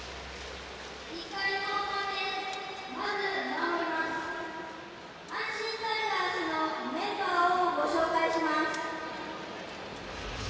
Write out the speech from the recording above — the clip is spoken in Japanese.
１回表、まず守ります阪神タイガースのメンバーをご紹介します。